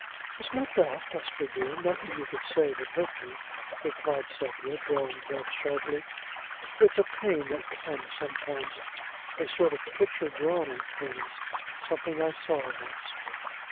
"It's not that, Hesper, dear. Nothing you could say would hurt me," replied Sepia, drawing breath sharply. "It's a pain that comes sometimes a sort of picture drawn in pains something I saw once."